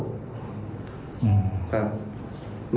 อืม